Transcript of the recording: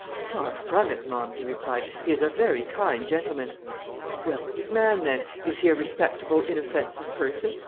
"Far from it, ma'am," he replied; "he is a very kind gentleman." "Well, his man, then; is he a respectable, inoffensive person?"